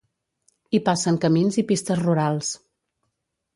Hi passen camins i pistes rurals.